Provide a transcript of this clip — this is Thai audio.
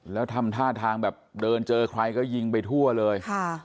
แล้วทำท่าทางแบบเดินเจอใครก็ยิงไปทั่วเลย